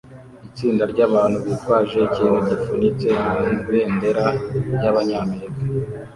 Itsinda ryabantu bitwaje ikintu gifunitse mubendera ryabanyamerika